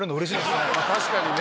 確かにね。